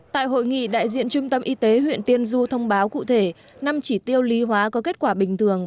tại hội nghị đại diện trung tâm y tế huyện tiên du thông báo cụ thể năm chỉ tiêu lý hóa có kết quả bình thường